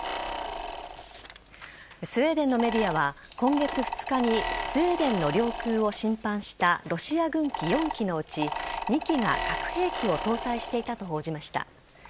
スウェーデンのメディアは今月２日にスウェーデンの領空を侵犯したロシア軍機４機のうち２機が核兵器を搭載していたと報じました。